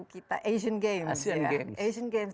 kita asian games asian games asian games